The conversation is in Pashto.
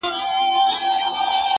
لكه برېښنا.